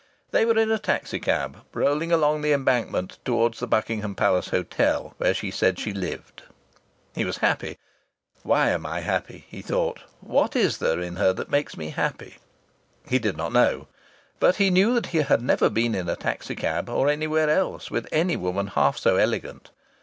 They were in a taxi cab, rolling along the Embankment towards the Buckingham Palace Hotel, where she said she lived. He was happy. "Why am I happy?" he thought. "What is there in her that makes me happy?" He did not know. But he knew that he had never been in a taxi cab, or anywhere else, with any woman half so elegant.